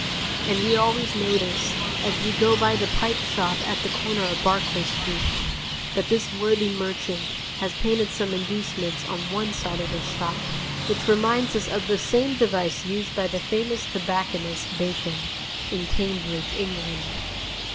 And we always notice, as we go by the pipe shop at the corner of Barclay Street, that this worthy merchant has painted some inducements on one side of his shop; which reminds us of the same device used by the famous tobacconist Bacon, in Cambridge, England.